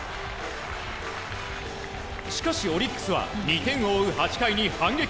しかし、オリックスは２点を追う８回に反撃。